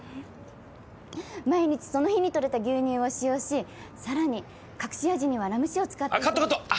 毎日その日にとれた牛乳を使用しさらに隠し味にはラム酒を使っていてカットカット！